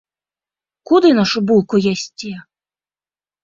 Куды нашу булку ясце?